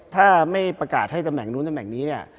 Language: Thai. ถ้าไม่ประกาศให้ตำแหน่งนู้นตำแหน่งนี้เนี่ย